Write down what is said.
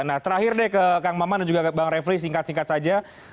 nah terakhir deh ke kang maman dan juga bang refli singkat singkat saja